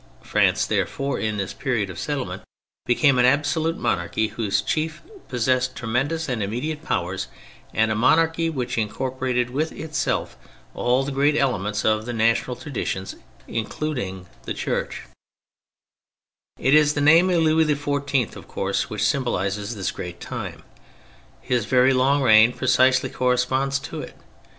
France, therefore, in this period of settlement, became an absolute monarchy whose chief possessed tremendous and immediate powers, and a monarchy which incorporated with itself all the great elements of the national tradition, including the Church, It is the name of Louis XIV, of course, which symbolises this great time ; his very long reign precisely corresponds to it.